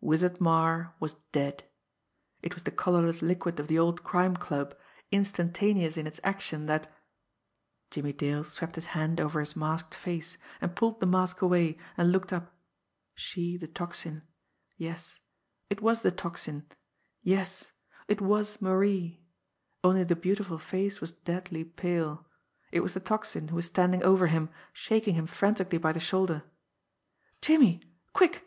Wizard Marre was dead. It was the colourless liquid of the old Crime Club, instantaneous in its action that Jimmie Dale swept his hand over his masked face, and pulled the mask away, and looked up. She, the Tocsin; yes, it was the Tocsin; yes, it was Marie only the beautiful face was deadly pale it was the Tocsin who was standing over him, shaking him frantically by the shoulder. "Jimmie! Quick!